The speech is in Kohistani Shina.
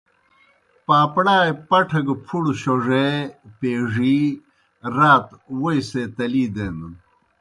پاپڑائے پٹھہ گہ پُھڑہ شوڙے، پیڙِی رات ووئی سے تلی دینَن۔